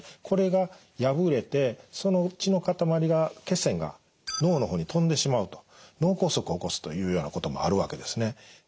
これが破れてその血のかたまりが血栓が脳の方に飛んでしまうと脳梗塞を起こすというようなこともあるわけですね。